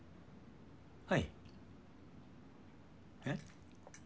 はいえっ？